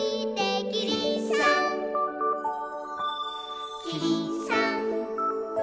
「キリンさんキリンさん」